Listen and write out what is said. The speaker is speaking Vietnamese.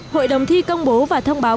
hội đồng thi công bố và thông báo